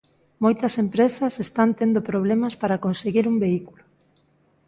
Moitas empresas están tendo problemas para conseguir un vehículo.